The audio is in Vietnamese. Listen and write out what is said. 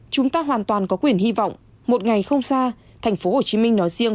chúng ta hoàn toàn có quyền hy vọng một ngày không xa thành phố hồ chí minh nói riêng